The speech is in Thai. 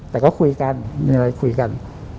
แต่ก็คุยกันมีอะไรคุยกัน